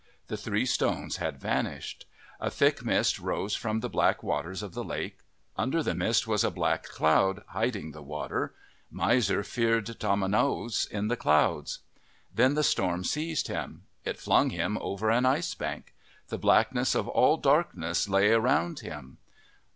The three stones had vanished. A thick mist rose from the black waters of the lake. Under the mist was a black cloud, hiding the water. Miser feared tomanowos in the clouds. Then the storm seized him. It flung him over an ice bank. The blackness of all darkness lay around him.